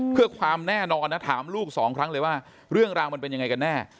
เพื่อความแน่นอนนะถามลูกสองครั้งเลยว่าเรื่องราวมันเป็นยังไงกันแน่